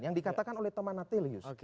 yang dikatakan oleh thomas nathelius